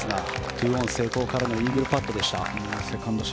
２オン成功からのイーグルパットでした。